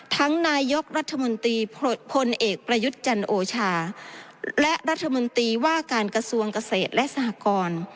นายกรัฐมนตรีพลเอกประยุทธ์จันโอชาและรัฐมนตรีว่าการกระทรวงเกษตรและสหกร